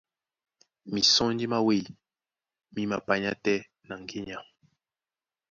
Mísɔnji má wêy mí mapanyá tɛ́ na ŋgínya.